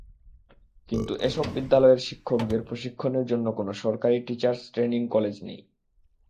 কিন্তু এসব বিদ্যালয়ের শিক্ষকদের প্রশিক্ষণের জন্য কোনো সরকারি টিচার্স ট্রেনিং কলেজ নেই।